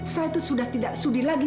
saya tuh sudah tidak sudi lagi